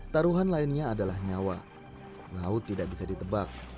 taruhan lainnya adalah nyawa laut tidak bisa ditebak